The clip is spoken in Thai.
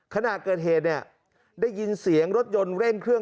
ขณะเกิดเหตุเนี่ยได้ยินเสียงรถยนต์เร่งเครื่อง